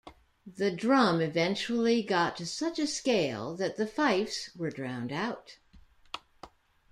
The drum eventually got to such a scale that the fifes were drowned out.